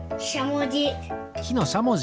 しゃもじ。